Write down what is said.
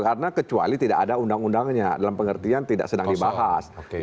karena kecuali tidak ada undang undangnya dalam pengertian tidak sedang dibahas